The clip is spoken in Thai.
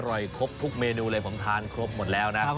ครบทุกเมนูเลยผมทานครบหมดแล้วนะ